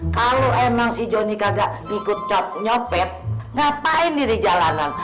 kalau emang si johnny gaga ikut nyopet ngapain diri jalanan